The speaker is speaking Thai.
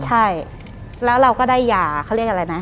ใช่แล้วเราก็ได้ยาเขาเรียกอะไรไหม